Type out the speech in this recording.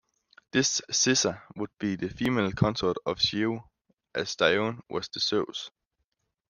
This "Zisa" would be the female consort of "Ziu", as "Dione" was of "Zeus".